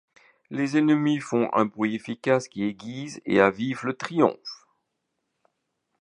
Les ennemis font un bruit efficace qui aiguise et avive le triomphe.